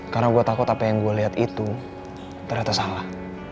karena gue takut apa yang gue liat itu ternyata salah